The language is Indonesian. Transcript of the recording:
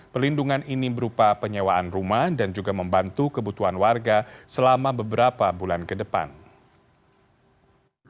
perlindungan ini berupa penyewaan rumah dan juga membantu kebutuhan warga selama beberapa bulan ke depan